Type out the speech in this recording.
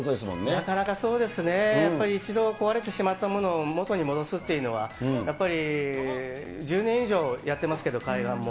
なかなかそうですね、やっぱり一度壊れてしまったものを元に戻すっていうのは、やっぱり、１０年以上やってますけど、海岸も。